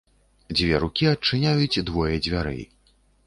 Дзве рукі адчыняюць двое дзвярэй.